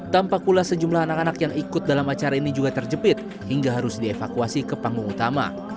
tampak pula sejumlah anak anak yang ikut dalam acara ini juga terjepit hingga harus dievakuasi ke panggung utama